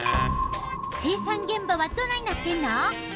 生産現場はどないなってんの？